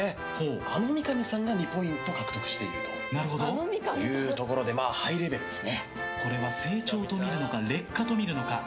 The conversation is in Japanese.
あの三上さんが２ポイント獲得しているというところでこれは成長と見るのか劣化と見るのか。